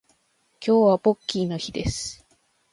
今日はポッキーの日です